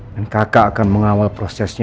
kakak akan mengawal prosesnya